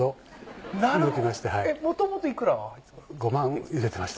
もともといくら。